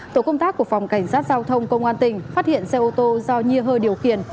tổ công tác của phòng cảnh sát giao thông công an tỉnh phát hiện xe ô tô do nhi hơ điều khiển